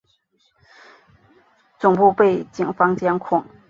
总部被警方监控。